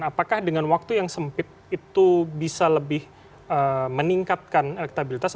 apakah dengan waktu yang sempit itu bisa lebih meningkatkan elektabilitas